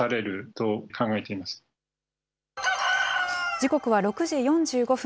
時刻は６時４５分。